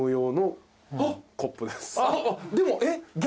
でもえっ逆？